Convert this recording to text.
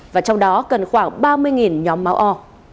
và trong đó cần khoảng ba mươi nhóm máu o